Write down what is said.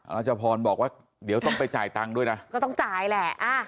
รัชพรบอกว่าเดี๋ยวต้องไปจ่ายตังค์ด้วยนะก็ต้องจ่ายแหละ